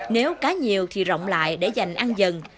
nếu cá nhiều thì rộng lại để dành ăn dần